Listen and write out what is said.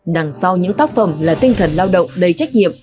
đằng sau những tác phẩm là tinh thần lao động đầy trách nhiệm